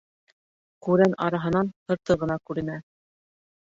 Күрән араһынан һырты ғына күренә.